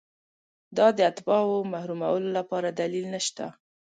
دا د اتباعو محرومولو لپاره دلیل نشته.